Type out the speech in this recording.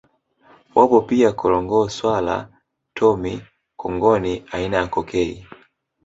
Wapo pia korongoo swala tomi Kongoni aina ya cokei